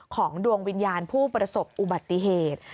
ดวงวิญญาณผู้ประสบอุบัติเหตุ